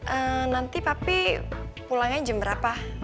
eh nanti papi pulangnya jam berapa